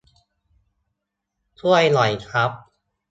ช่วยหน่อยครับ